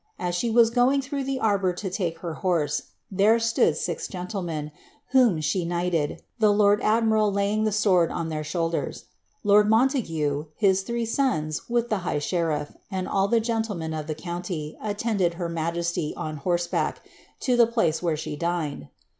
As she was going throtijh the arbour to lake horse, there stood six genllemen. whom she knighwi!, tiie lord admiral laying the sword on their siioulders. Lord Moniague. his three sons, with the higli sherilT, and all the genllemen of ihe county, attended her majesiy, on horseback, to ilie place where t\\e dined.